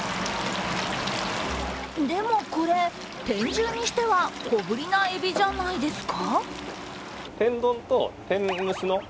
でもこれ、天重にしては小ぶりなえびじゃないですか？